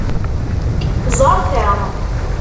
Ẓer ta.